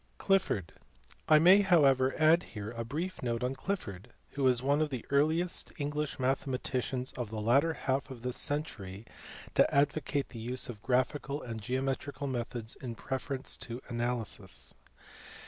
Clifford*. I may however add here a brief note on Clifford, who was one of the earliest English mathematicians of the latter half of this century to advocate the use of graphical and geo metrical methods in preference to analysis.